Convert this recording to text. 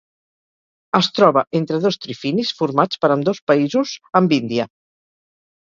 Es troba entre dos trifinis formats per ambdós països amb Índia.